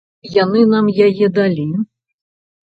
Яны нам яе далі.